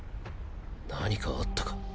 何かあったか？